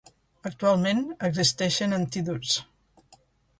Actualment existeixen antídots.